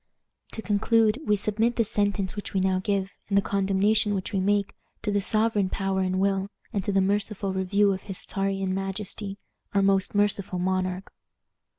"To conclude, we submit this sentence which we now give, and the condemnation which we make, to the sovereign power and will, and to the merciful review of his Czarian majesty, our most merciful monarch."